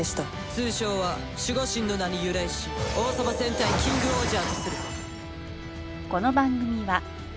通称は守護神の名に由来し王様戦隊キングオージャーとする。